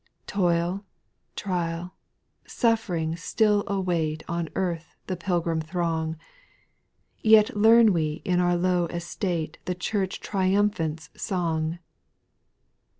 8. Toil, trial, suffering still await On earth the pilgrim throng ; Yet learn we in our low estate The Church triumphant's song.